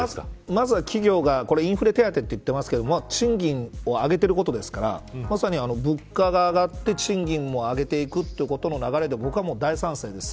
まずは企業が、これインフレ手当と言っていますが賃金を上げていることですからまさに物価が上がって賃金も上げていくということの流れで僕は大賛成です。